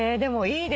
いいです。